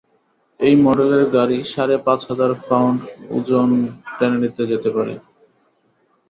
এই মডেলের গাড়ি সাড়ে পাঁচ হাজার পাউন্ড ওজন টেনে নিতে যেতে পারে।